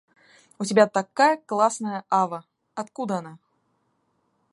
У тебя такая классная ава! Откуда она?